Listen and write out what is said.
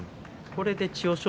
これで千代翔